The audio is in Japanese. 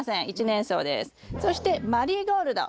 そしてマリーゴールド。